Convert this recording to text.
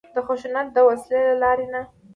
د خشونت د وسلې له لارې نه.